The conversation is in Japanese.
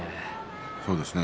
そうですね。